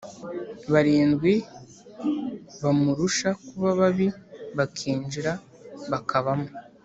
barindwi bamurusha kuba babi bakinjira bakabamo